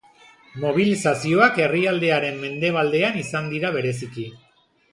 Mobilizazioak herrialdearen mendebaldean izan dira bereziki.